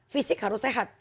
fisik harus sehat